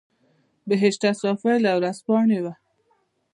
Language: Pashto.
بهشته صافۍ له ورځپاڼې وه.